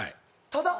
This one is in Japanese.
ただ？